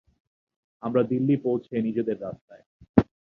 আমরা দিল্লী পৌঁছে নিজেদের রাস্তায়।